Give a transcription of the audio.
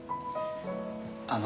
あの。